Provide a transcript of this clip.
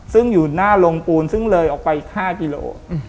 ซึ่งอยู่หน้าโรงปูนซึ่งเลยออกไป๕กิโล